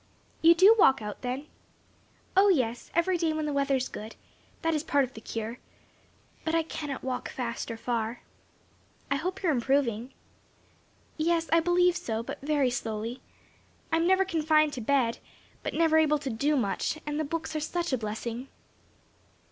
"You do walk out then?" "Oh yes! every day when the weather is good. That is part of the cure. But I cannot walk fast or far." "I hope you are improving." "Yes, I believe so, but very slowly. I'm never confined to bed, but never able to do much, and the books are such a blessing."